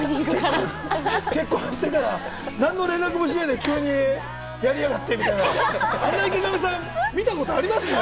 結婚してから何の連絡もしないで、急にやりやがってみたいな、あんな池上さん、見たことあります？